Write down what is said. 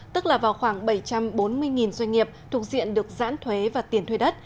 tức là vào khoảng bảy trăm bốn mươi doanh nghiệp thuộc diện được giãn thuế và tiền thuê đất